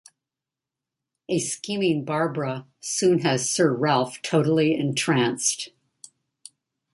A scheming Barbara soon has Sir Ralph totally entranced.